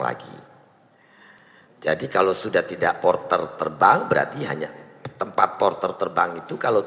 lagi jadi kalau sudah tidak porter terbang berarti hanya tempat porter terbang itu kalau